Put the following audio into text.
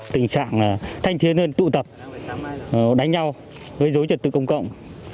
tình trạng thanh thiên hơn tụ tập đánh nhau với dối trật tự công cộng